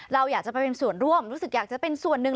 เราอยากจะไปเป็นส่วนร่วมรู้สึกอยากจะเป็นส่วนหนึ่ง